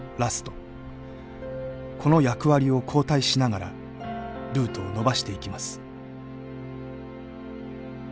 この役割を交代しながらルートを延ばしていきます。